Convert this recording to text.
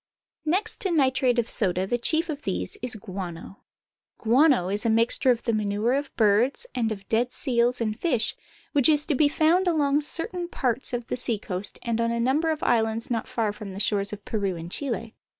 Next to nitrate of soda the chief of these is guano. Guano is a mixture of the manure of birds, and of dead seals, and fish, which is found along certain parts of the seacoast and on a number of islands not far from the shores of Peru and Chile.